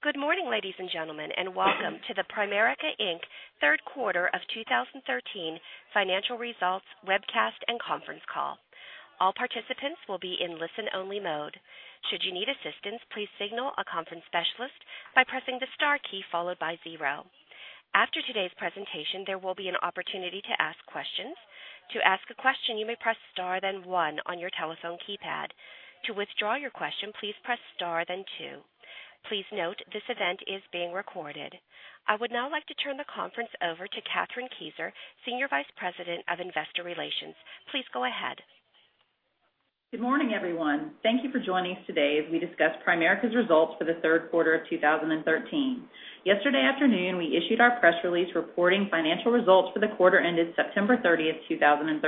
Good morning, ladies and gentlemen, and welcome to the Primerica, Inc. third quarter of 2013 financial results webcast and conference call. All participants will be in listen only mode. Should you need assistance, please signal a conference specialist by pressing the star key followed by 0. After today's presentation, there will be an opportunity to ask questions. To ask a question, you may press star then 1 on your telephone keypad. To withdraw your question, please press star then 2. Please note this event is being recorded. I would now like to turn the conference over to Kathryn Kieser, Senior Vice President of Investor Relations. Please go ahead. Good morning, everyone. Thank you for joining us today as we discuss Primerica's results for the third quarter of 2013. Yesterday afternoon, we issued our press release reporting financial results for the quarter ended September thirtieth, 2013.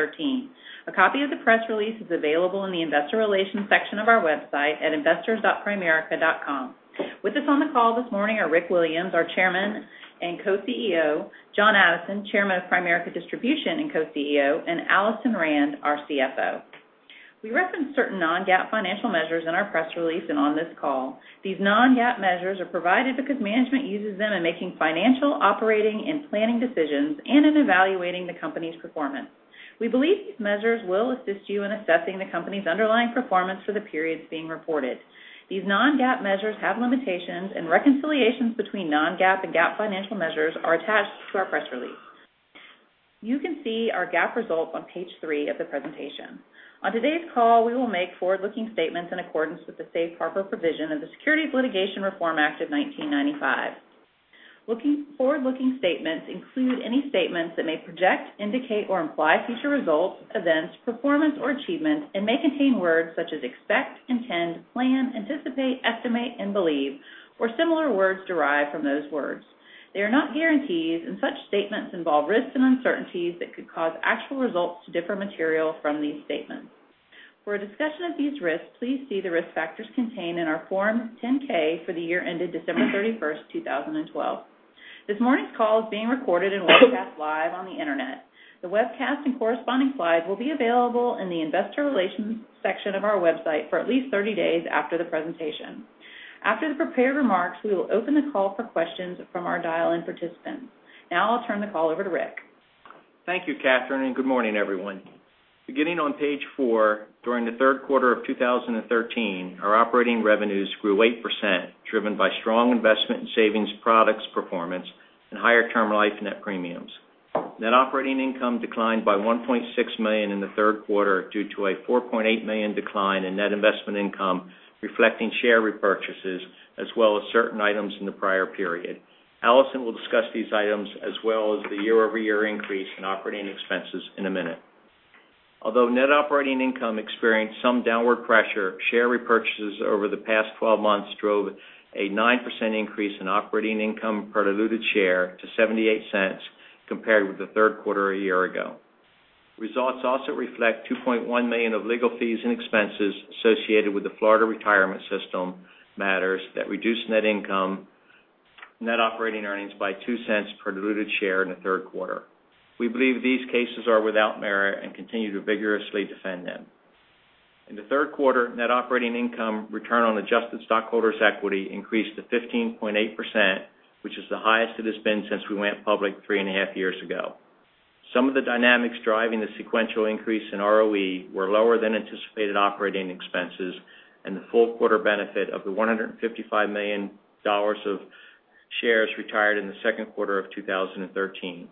A copy of the press release is available in the investor relations section of our website at investors.primerica.com. With us on the call this morning are Rick Williams, our Chairman and Co-CEO, John Addison, Chairman of Primerica Distribution and Co-CEO, and Alison Rand, our CFO. We reference certain non-GAAP financial measures in our press release and on this call. These non-GAAP measures are provided because management uses them in making financial, operating, and planning decisions, and in evaluating the company's performance. We believe these measures will assist you in assessing the company's underlying performance for the periods being reported. These non-GAAP measures have limitations, and reconciliations between non-GAAP and GAAP financial measures are attached to our press release. You can see our GAAP results on page three of the presentation. On today's call, we will make forward-looking statements in accordance with the safe harbor provision of the Private Securities Litigation Reform Act of 1995. Forward-looking statements include any statements that may project, indicate, or imply future results, events, performance, or achievements and may contain words such as expect, intend, plan, anticipate, estimate, and believe, or similar words derived from those words. They are not guarantees, and such statements involve risks and uncertainties that could cause actual results to differ material from these statements. For a discussion of these risks, please see the risk factors contained in our Form 10-K for the year ended December thirty-first, 2012. This morning's call is being recorded and webcast live on the Internet. The webcast and corresponding slides will be available in the investor relations section of our website for at least 30 days after the presentation. After the prepared remarks, we will open the call for questions from our dial-in participants. Now I'll turn the call over to Rick. Thank you, Kathryn, and good morning, everyone. Beginning on page four, during the third quarter of 2013, our operating revenues grew 8%, driven by strong Investment and Savings Products performance and higher Term Life net premiums. Net operating income declined by $1.6 million in the third quarter due to a $4.8 million decline in net investment income, reflecting share repurchases as well as certain items in the prior period. Alison will discuss these items as well as the year-over-year increase in operating expenses in a minute. Although net operating income experienced some downward pressure, share repurchases over the past 12 months drove a 9% increase in operating income per diluted share to $0.78 compared with the third quarter a year ago. Results also reflect $2.1 million of legal fees and expenses associated with the Florida Retirement System matters that reduced net income, net operating earnings by $0.02 per diluted share in the third quarter. We believe these cases are without merit and continue to vigorously defend them. In the third quarter, net operating income return on adjusted stockholders' equity increased to 15.8%, which is the highest it has been since we went public three and a half years ago. Some of the dynamics driving the sequential increase in ROE were lower than anticipated operating expenses and the full quarter benefit of the $155 million of shares retired in the second quarter of 2013.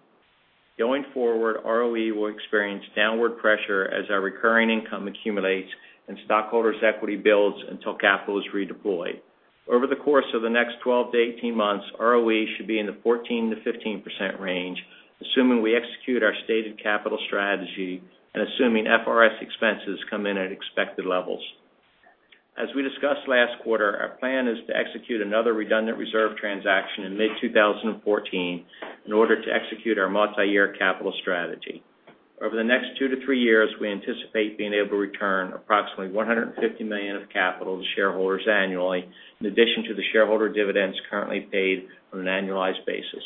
Going forward, ROE will experience downward pressure as our recurring income accumulates and stockholders' equity builds until capital is redeployed. Over the course of the next 12-18 months, ROE should be in the 14%-15% range, assuming we execute our stated capital strategy and assuming FRS expenses come in at expected levels. As we discussed last quarter, our plan is to execute another redundant reserve transaction in mid-2014 in order to execute our multi-year capital strategy. Over the next two to three years, we anticipate being able to return approximately $150 million of capital to shareholders annually, in addition to the shareholder dividends currently paid on an annualized basis.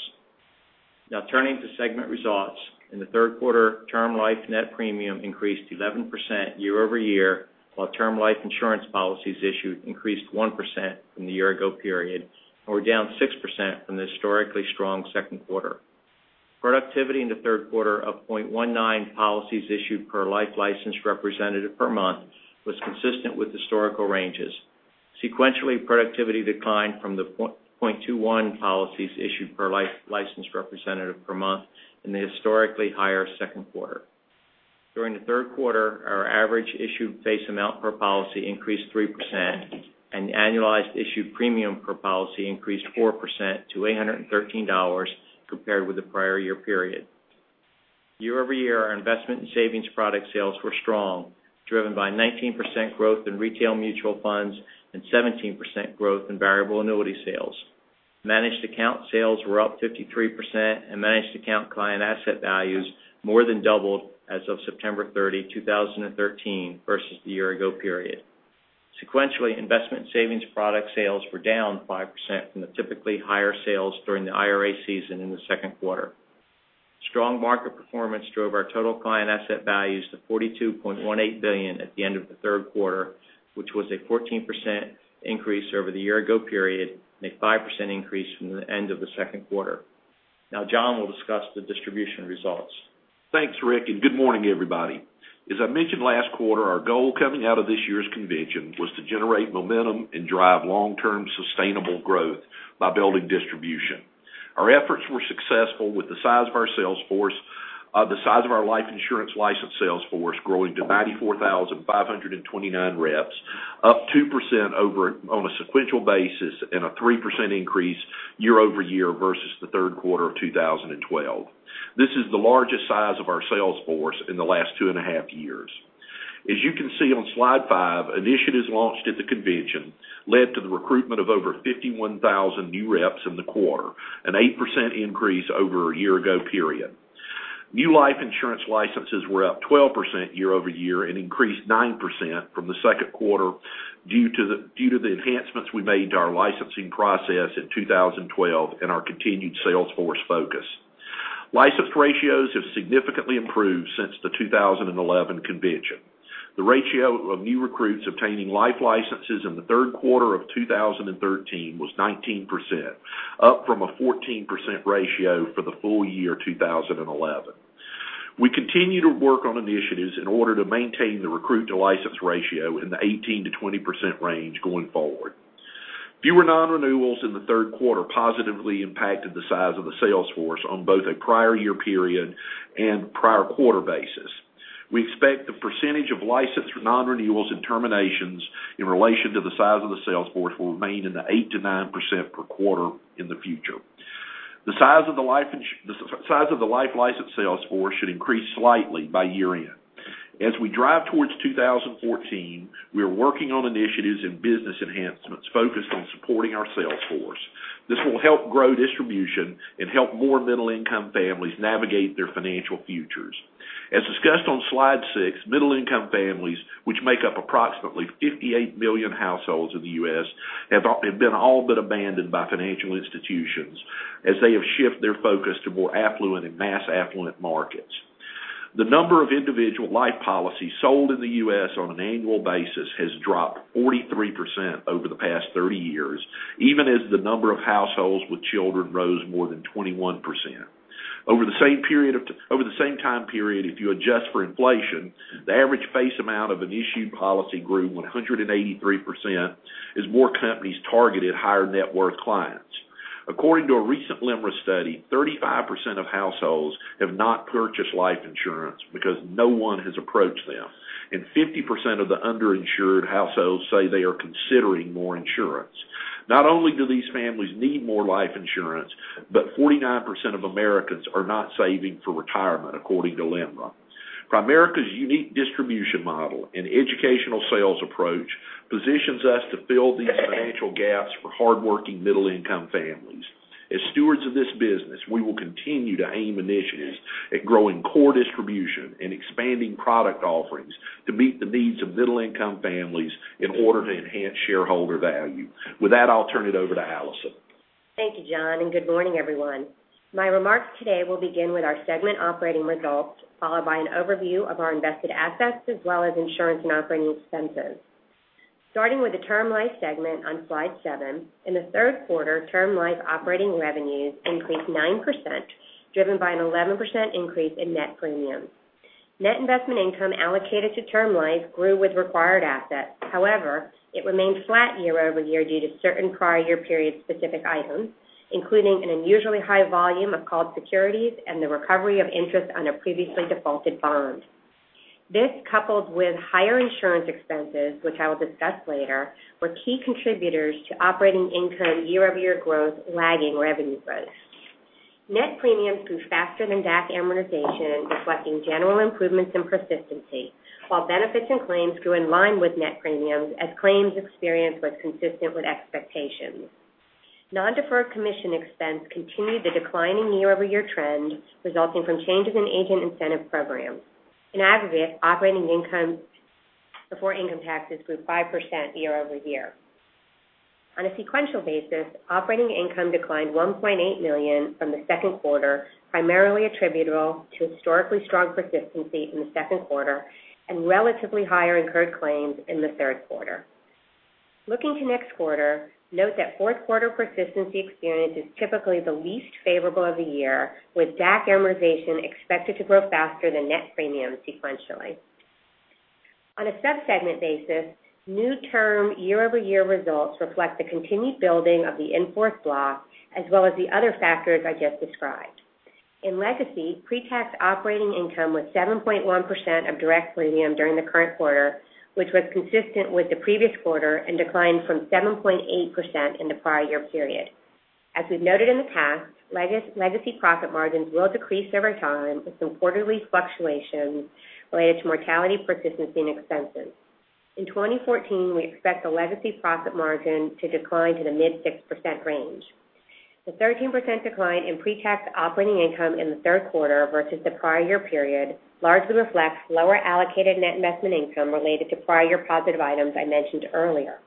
Turning to segment results. In the third quarter, Term Life net premium increased 11% year-over-year, while Term Life insurance policies issued increased 1% from the year-ago period and were down 6% from the historically strong second quarter. Productivity in the third quarter of 0.19 policies issued per life licensed representative per month was consistent with historical ranges. Sequentially, productivity declined from the 0.21 policies issued per life licensed representative per month in the historically higher second quarter. During the third quarter, our average issued face amount per policy increased 3%, and annualized issued premium per policy increased 4% to $813 compared with the prior year period. Year-over-year, our Investment and Savings Product sales were strong, driven by 19% growth in retail mutual funds and 17% growth in Variable Annuity sales. managed account sales were up 53%, and managed account client asset values more than doubled as of September 30, 2013, versus the year-ago period. Sequentially, Investment and Savings Product sales were down 5% from the typically higher sales during the IRA season in the second quarter. Strong market performance drove our total client asset values to $42.18 billion at the end of the third quarter, which was a 14% increase over the year-ago period, and a 5% increase from the end of the second quarter. Now John will discuss the distribution results. Thanks, Rick, and good morning, everybody. As I mentioned last quarter, our goal coming out of this year's convention was to generate momentum and drive long-term sustainable growth by building distribution. Our efforts were successful with the size of our life insurance licensed sales force growing to 94,529 reps, up 2% on a sequential basis, and a 3% increase year-over-year versus the third quarter of 2012. This is the largest size of our sales force in the last two and a half years. As you can see on slide five, initiatives launched at the convention led to the recruitment of over 51,000 new reps in the quarter, an 8% increase over a year-ago period. New life insurance licenses were up 12% year-over-year and increased 9% from the second quarter due to the enhancements we made to our licensing process in 2012 and our continued sales force focus. License ratios have significantly improved since the 2011 convention. The ratio of new recruits obtaining life licenses in the third quarter of 2013 was 19%, up from a 14% ratio for the full year 2011. We continue to work on initiatives in order to maintain the recruit-to-license ratio in the 18%-20% range going forward. Fewer non-renewals in the third quarter positively impacted the size of the sales force on both a prior year period and prior quarter basis. We expect the percentage of licensed non-renewals and terminations in relation to the size of the sales force will remain in the 8%-9% per quarter in the future. The size of the life license sales force should increase slightly by year-end. We drive towards 2014, we are working on initiatives and business enhancements focused on supporting our sales force. This will help grow distribution and help more middle-income families navigate their financial futures. Discussed on slide six, middle-income families, which make up approximately 58 million households in the U.S., have been all but abandoned by financial institutions as they have shifted their focus to more affluent and mass affluent markets. The number of individual life policies sold in the U.S. on an annual basis has dropped 43% over the past 30 years, even as the number of households with children rose more than 21%. Over the same time period, if you adjust for inflation, the average face amount of an issued policy grew 183% as more companies targeted higher net worth clients. According to a recent LIMRA study, 35% of households have not purchased life insurance because no one has approached them, and 50% of the underinsured households say they are considering more insurance. Not only do these families need more life insurance, 49% of Americans are not saving for retirement, according to LIMRA. Primerica's unique distribution model and educational sales approach positions us to fill these financial gaps for hardworking middle-income families. As stewards of this business, we will continue to aim initiatives at growing core distribution and expanding product offerings to meet the needs of middle-income families in order to enhance shareholder value. With that, I'll turn it over to Alison. Thank you, John. Good morning, everyone. My remarks today will begin with our segment operating results, followed by an overview of our invested assets, as well as insurance and operating expenses. Starting with the Term Life segment on slide seven. In the third quarter, Term Life operating revenues increased 9%, driven by an 11% increase in net premiums. Net investment income allocated to Term Life grew with required assets. However, it remained flat year-over-year due to certain prior year period specific items, including an unusually high volume of called securities and the recovery of interest on a previously defaulted bond. This, coupled with higher insurance expenses, which I will discuss later, were key contributors to operating income year-over-year growth lagging revenue growth. Net premiums grew faster than DAC amortization, reflecting general improvements in persistency, while benefits and claims grew in line with net premiums as claims experience was consistent with expectations. Non-deferred commission expense continued a declining year-over-year trend resulting from changes in agent incentive programs. In aggregate, operating income before income taxes grew 5% year-over-year. On a sequential basis, operating income declined $1.8 million from the second quarter, primarily attributable to historically strong persistency in the second quarter and relatively higher incurred claims in the third quarter. Looking to next quarter, note that fourth quarter persistency experience is typically the least favorable of the year, with DAC amortization expected to grow faster than net premiums sequentially. On a sub-segment basis, new term year-over-year results reflect the continued building of the in-force block, as well as the other factors I just described. In legacy, pre-tax operating income was 7.1% of direct premium during the current quarter, which was consistent with the previous quarter and declined from 7.8% in the prior year period. As we've noted in the past, legacy profit margins will decrease over time with some quarterly fluctuations related to mortality, persistency, and expenses. In 2014, we expect the legacy profit margin to decline to the mid 6% range. The 13% decline in pre-tax operating income in the third quarter versus the prior year period largely reflects lower allocated net investment income related to prior positive items I mentioned earlier.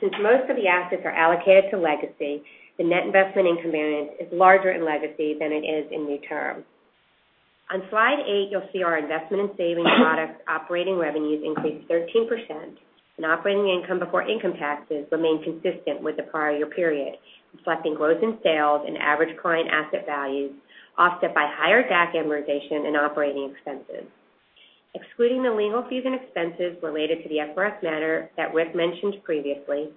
Since most of the assets are allocated to legacy, the net investment income variance is larger in legacy than it is in new term. On slide eight, you'll see our Investment and Savings Products operating revenues increased 13%, and operating income before income taxes remained consistent with the prior year period, reflecting growth in sales and average client asset values offset by higher DAC amortization and operating expenses. Excluding the legal fees and expenses related to the FRS matter that Rick mentioned previously,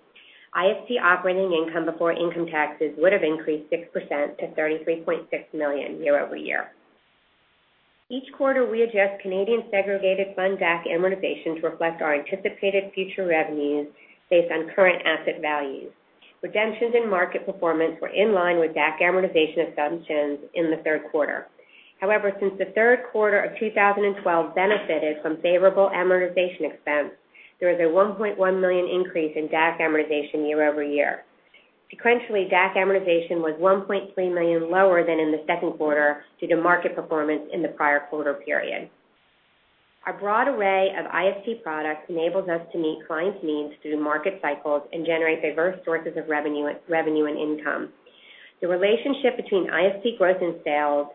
ISP operating income before income taxes would have increased 6% to $33.6 million year-over-year. Each quarter, we adjust Canadian segregated fund DAC amortization to reflect our anticipated future revenues based on current asset values. Redemptions and market performance were in line with DAC amortization assumptions in the third quarter. However, since the third quarter of 2012 benefited from favorable amortization expense, there was a $1.1 million increase in DAC amortization year-over-year. Sequentially, DAC amortization was $1.3 million lower than in the second quarter due to market performance in the prior quarter period. Our broad array of ISP products enables us to meet clients' needs through market cycles and generate diverse sources of revenue and income. The relationship between ISP growth in sales,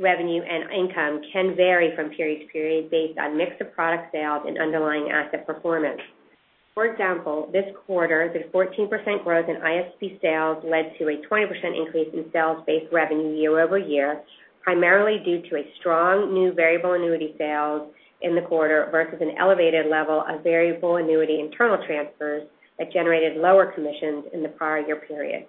revenue, and income can vary from period to period based on mix of product sales and underlying asset performance. For example, this quarter, the 14% growth in ISP sales led to a 20% increase in sales-based revenue year-over-year, primarily due to a strong new Variable Annuity sales in the quarter versus an elevated level of Variable Annuity internal transfers that generated lower commissions in the prior year period.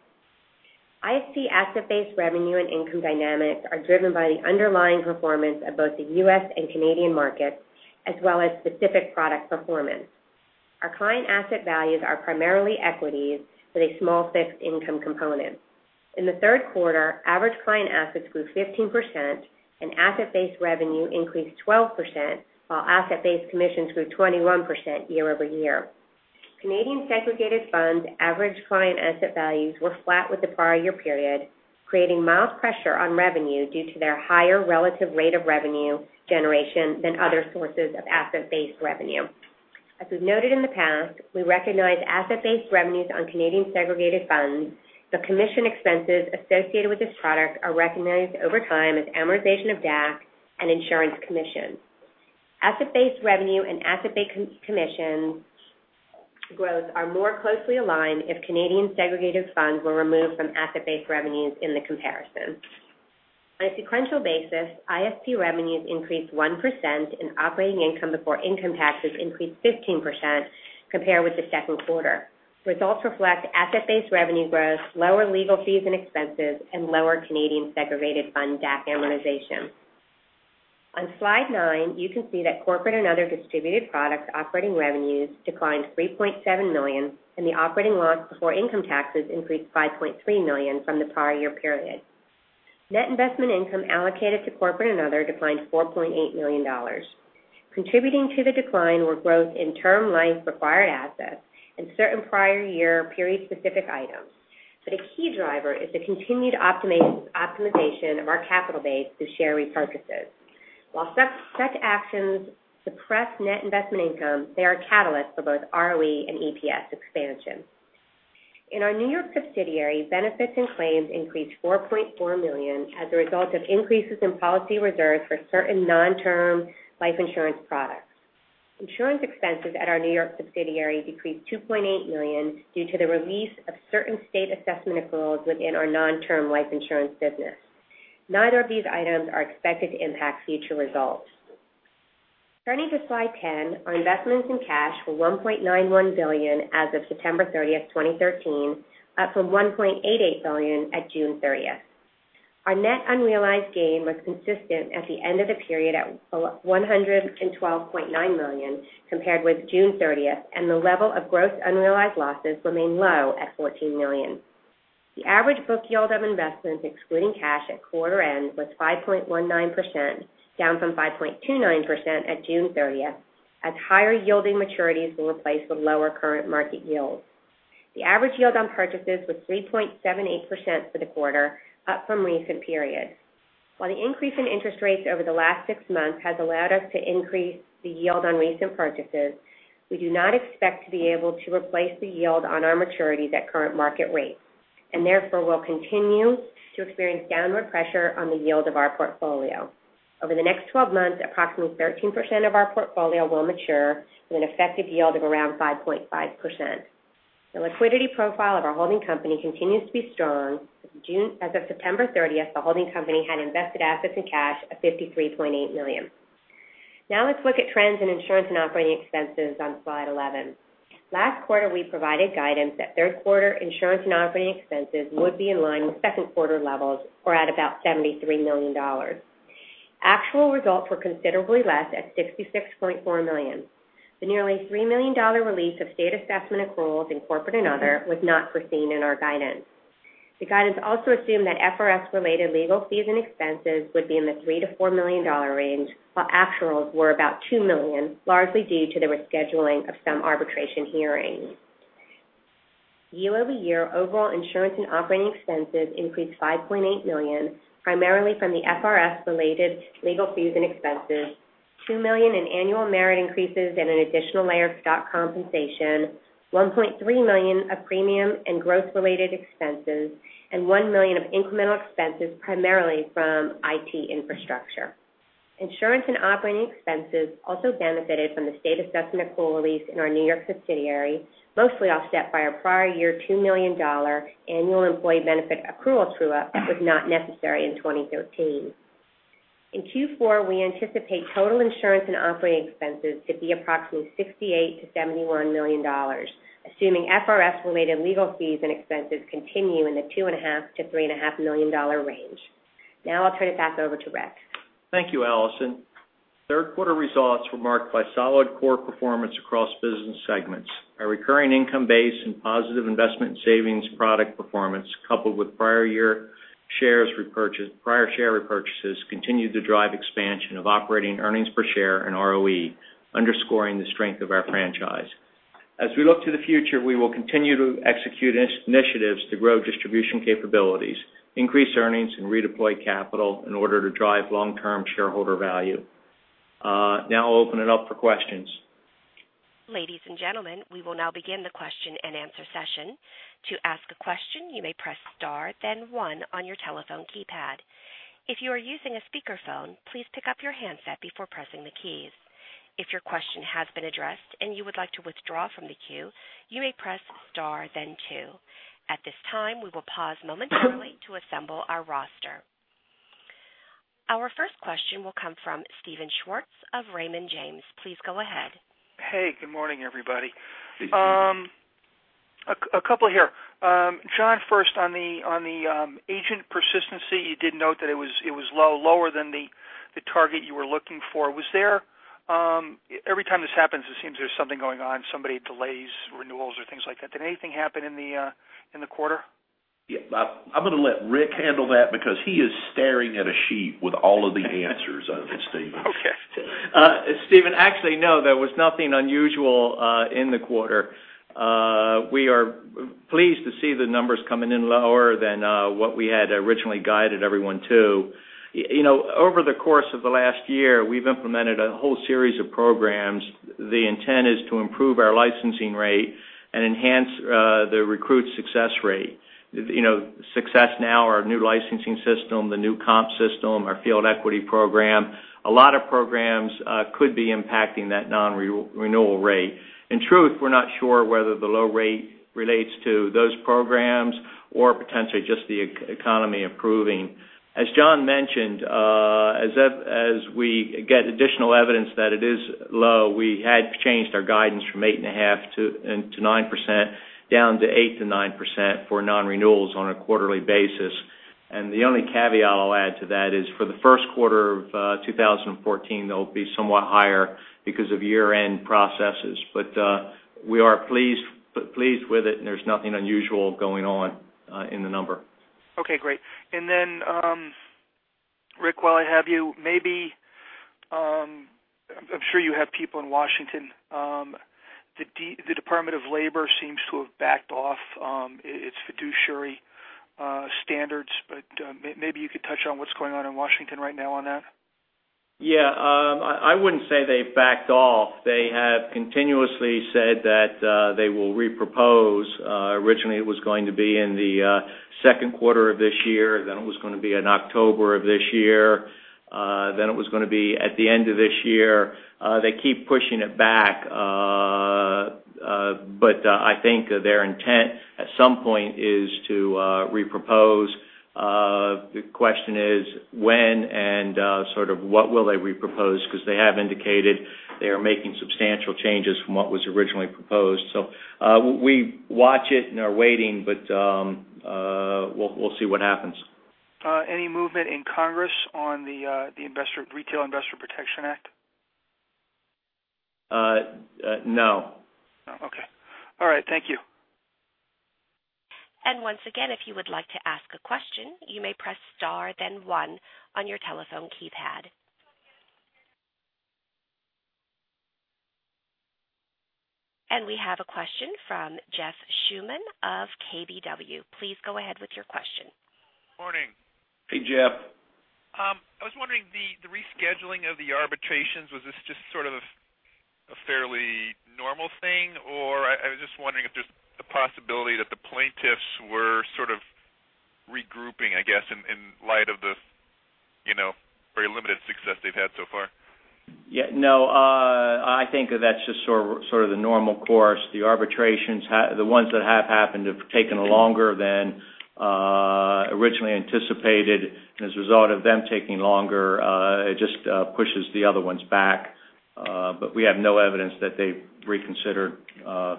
ISP asset-based revenue and income dynamics are driven by the underlying performance of both the U.S. and Canadian markets, as well as specific product performance. Our client asset values are primarily equities with a small fixed income component. In the third quarter, average client assets grew 15%, and asset-based revenue increased 12%, while asset-based commissions grew 21% year-over-year. Canadian segregated funds average client asset values were flat with the prior year period, creating mild pressure on revenue due to their higher relative rate of revenue generation than other sources of asset-based revenue. As we've noted in the past, we recognize asset-based revenues on Canadian segregated funds, but commission expenses associated with this product are recognized over time as amortization of DAC and insurance commissions. Asset-based revenue and asset-based commission growth are more closely aligned if Canadian segregated funds were removed from asset-based revenues in the comparison. On a sequential basis, ISP revenues increased 1%, and operating income before income taxes increased 15% compared with the second quarter. Results reflect asset-based revenue growth, lower legal fees and expenses, and lower Canadian segregated fund DAC amortization. On slide nine, you can see that corporate and other distributed products operating revenues declined to $3.7 million, and the operating loss before income taxes increased $5.3 million from the prior year period. Net investment income allocated to corporate and other declined $4.8 million. Contributing to the decline were growth in Term Life required assets and certain prior year period-specific items. While such actions suppress net investment income, they are catalysts for both ROE and EPS expansion. In our N.Y. subsidiary, benefits and claims increased $4.4 million as a result of increases in policy reserves for certain non-Term Life insurance products. Insurance expenses at our N.Y. subsidiary decreased $2.8 million due to the release of certain state assessment accruals within our non-Term Life insurance business. Neither of these items are expected to impact future results. Turning to slide 10, our investments in cash were $1.91 billion as of September 30th, 2013, up from $1.88 billion at June 30th. Our net unrealized gain was consistent at the end of the period at $112.9 million compared with June 30th, and the level of gross unrealized losses remained low at $14 million. The average book yield on investments excluding cash at quarter end was 5.19%, down from 5.29% at June 30th, as higher yielding maturities were replaced with lower current market yields. The average yield on purchases was 3.78% for the quarter, up from recent periods. While the increase in interest rates over the last six months has allowed us to increase the yield on recent purchases, we do not expect to be able to replace the yield on our maturities at current market rates, and therefore will continue to experience downward pressure on the yield of our portfolio. Over the next 12 months, approximately 13% of our portfolio will mature with an effective yield of around 5.5%. The liquidity profile of our holding company continues to be strong. As of September 30th, the holding company had invested assets in cash of $53.8 million. Now let's look at trends in insurance and operating expenses on slide 11. Last quarter, we provided guidance that third quarter insurance and operating expenses would be in line with second quarter levels or at about $73 million. Actual results were considerably less at $66.4 million. The nearly $3 million release of state assessment accruals in corporate and other was not foreseen in our guidance. The guidance also assumed that FRS-related legal fees and expenses would be in the $3 million-$4 million range, while actuals were about $2 million, largely due to the rescheduling of some arbitration hearings. Year-over-year overall insurance and operating expenses increased $5.8 million, primarily from the FRS-related legal fees and expenses, $2 million in annual merit increases and an additional layer of stock compensation, $1.3 million of premium and growth-related expenses, and $1 million of incremental expenses primarily from IT infrastructure. Insurance and operating expenses also benefited from the state assessment accrual release in our N.Y. subsidiary, mostly offset by our prior year $2 million annual employee benefit accrual true-up that was not necessary in 2013. In Q4, we anticipate total insurance and operating expenses to be approximately $68 million-$71 million, assuming FRS-related legal fees and expenses continue in the two and a half to three and a half million dollar range. Now I'll turn it back over to Rick. Thank you, Alison. Third quarter results were marked by solid core performance across business segments. Our recurring income base and positive Investment and Savings Product performance, coupled with prior share repurchases, continued to drive expansion of operating earnings per share and ROE, underscoring the strength of our franchise. As we look to the future, we will continue to execute initiatives to grow distribution capabilities, increase earnings, and redeploy capital in order to drive long-term shareholder value. I'll open it up for questions. Ladies and gentlemen, we will now begin the question and answer session. To ask a question, you may press star then one on your telephone keypad. If you are using a speakerphone, please pick up your handset before pressing the keys. If your question has been addressed and you would like to withdraw from the queue, you may press star then two. At this time, we will pause momentarily to assemble our roster. Our first question will come from Steven Schwartz of Raymond James. Please go ahead. Hey, good morning, everybody. Good morning. A couple here. John, first on the agent persistency, you did note that it was lower than the target you were looking for. Every time this happens, it seems there's something going on, somebody delays renewals or things like that. Did anything happen in the quarter? Yeah. I'm going to let Rick handle that because he is staring at a sheet with all of the answers on it, Steven. Okay. Steven, actually, no, there was nothing unusual in the quarter. We are pleased to see the numbers coming in lower than what we had originally guided everyone to. Over the course of the last year, we've implemented a whole series of programs. The intent is to improve our licensing rate and enhance the recruit success rate. SuccessNow, our new licensing system, the new comp system, our field equity program, a lot of programs could be impacting that non-renewal rate. In truth, we're not sure whether the low rate relates to those programs or potentially just the economy improving. As John mentioned, as we get additional evidence that it is low, we had changed our guidance from 8.5%-9%, down to 8%-9% for non-renewals on a quarterly basis. The only caveat I'll add to that is for the first quarter of 2014, they'll be somewhat higher because of year-end processes. We are pleased with it, and there's nothing unusual going on in the number. Okay, great. Rick, while I have you, I'm sure you have people in Washington. The Department of Labor seems to have backed off its fiduciary standards, but maybe you could touch on what's going on in Washington right now on that. Yeah. I wouldn't say they've backed off. They have continuously said that they will repropose. Originally, it was going to be in the second quarter of this year, then it was going to be in October of this year, then it was going to be at the end of this year. They keep pushing it back. I think their intent, at some point, is to repropose. The question is when and what will they repropose, because they have indicated they are making substantial changes from what was originally proposed. We watch it and are waiting, but we'll see what happens. Any movement in Congress on the Retail Investor Protection Act? No. Okay. All right, thank you. Once again, if you would like to ask a question, you may press star then one on your telephone keypad. We have a question from Jeff Schuman of KBW. Please go ahead with your question. Morning. Hey, Jeff. I was wondering, the rescheduling of the arbitrations, was this just sort of a fairly normal thing, or I was just wondering if there's a possibility that the plaintiffs were sort of regrouping, I guess, in light of the very limited success they've had so far? No, I think that's just sort of the normal course. The arbitrations, the ones that have happened, have taken longer than originally anticipated, as a result of them taking longer, it just pushes the other ones back. We have no evidence that they've reconsidered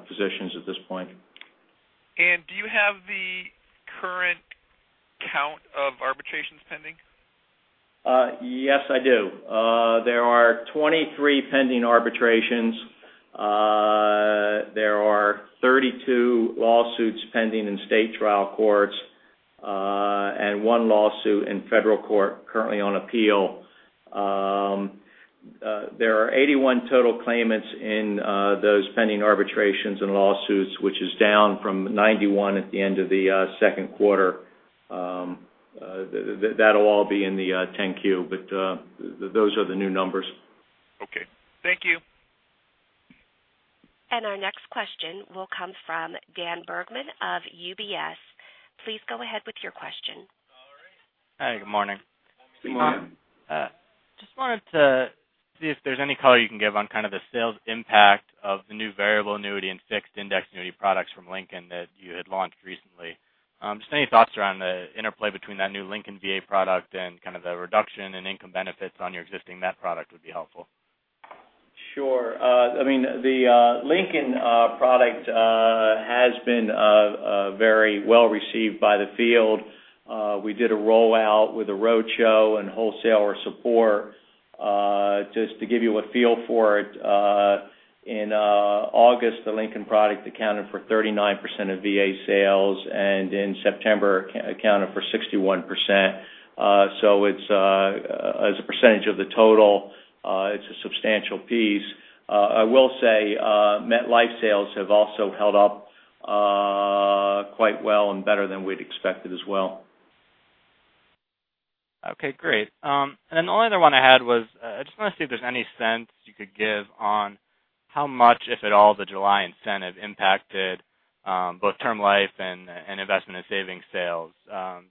positions at this point. Do you have the current count of arbitrations pending? Yes, I do. There are 23 pending arbitrations. There are 32 lawsuits pending in state trial courts, and one lawsuit in federal court currently on appeal. There are 81 total claimants in those pending arbitrations and lawsuits, which is down from 91 at the end of the second quarter. That will all be in the 10-Q, but those are the new numbers. Okay. Thank you. Our next question will come from Daniel Bergman of UBS. Please go ahead with your question. All right. Hi, good morning. Good morning. Good morning. Wanted to see if there's any color you can give on kind of the sales impact of the new Variable Annuity and Fixed Indexed Annuity products from Lincoln that you had launched recently. Any thoughts around the interplay between that new Lincoln VA product and kind of the reduction in income benefits on your existing Met product would be helpful. Sure. The Lincoln product has been very well received by the field. We did a rollout with a roadshow and wholesaler support. Just to give you a feel for it, in August, the Lincoln product accounted for 39% of VA sales, in September, accounted for 61%. As a percentage of the total, it's a substantial piece. I will say MetLife sales have also held up quite well and better than we'd expected as well. Okay, great. The only other one I had was, I just want to see if there's any sense you could give on how much, if at all, the July incentive impacted both Term Life and Investment and Savings sales.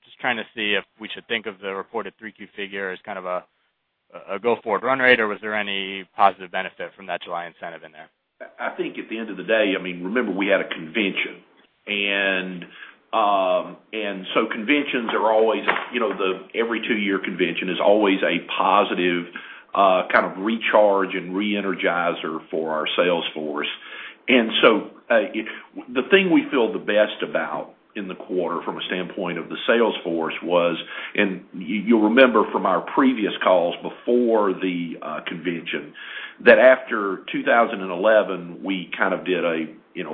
Just trying to see if we should think of the reported 3Q figure as kind of a go-forward run rate, or was there any positive benefit from that July incentive in there? I think at the end of the day, remember, we had a convention, conventions are always, every two-year convention is always a positive kind of recharge and re-energizer for our sales force. The thing we feel the best about in the quarter from a standpoint of the sales force was, you'll remember from our previous calls before the convention, that after 2011, we kind of did a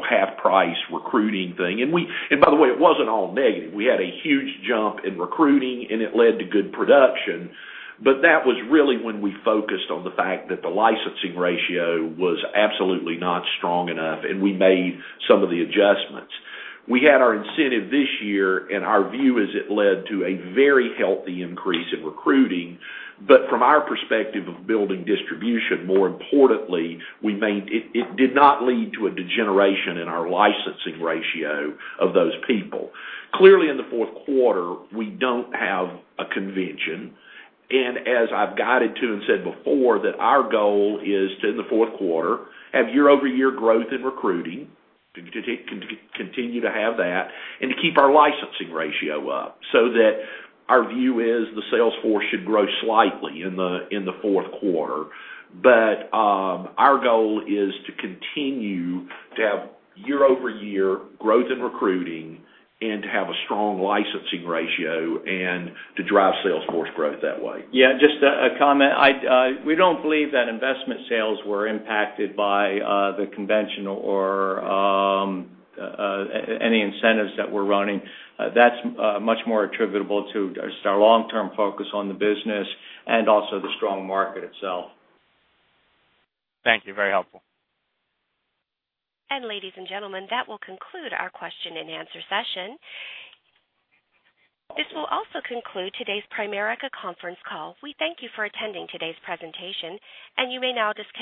half-price recruiting thing. By the way, it wasn't all negative. We had a huge jump in recruiting, and it led to good production. That was really when we focused on the fact that the licensing ratio was absolutely not strong enough, and we made some of the adjustments. We had our incentive this year, our view is it led to a very healthy increase in recruiting. From our perspective of building distribution, more importantly, it did not lead to a degeneration in our licensing ratio of those people. Clearly, in the fourth quarter, we don't have a convention. As I've guided to and said before, that our goal is to, in the fourth quarter, have year-over-year growth in recruiting, continue to have that, and to keep our licensing ratio up so that our view is the sales force should grow slightly in the fourth quarter. Our goal is to continue to have year-over-year growth in recruiting and to have a strong licensing ratio and to drive sales force growth that way. Yeah, just a comment. We don't believe that investment sales were impacted by the convention or any incentives that we're running. That's much more attributable to just our long-term focus on the business and also the strong market itself. Thank you. Very helpful. Ladies and gentlemen, that will conclude our question and answer session. This will also conclude today's Primerica conference call. We thank you for attending today's presentation, and you may now disconnect.